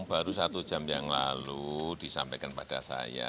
baru satu jam yang lalu disampaikan pada saya